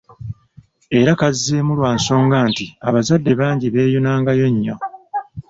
Era kazzeemu lwa nsonga nti abazadde bangi beeyunangayo nnyo.